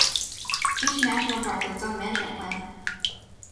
Each National Park has its own management plan.